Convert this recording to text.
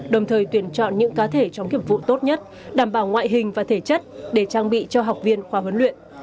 đồng thời tuyển chọn những cá thể chó nghiệp vụ tốt nhất đảm bảo ngoại hình và thể chất để trang bị cho học viên khóa huấn luyện